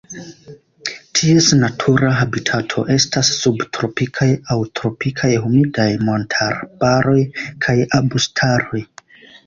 Ties natura habitato estas subtropikaj aŭ tropikaj humidaj montarbaroj kaj arbustaroj.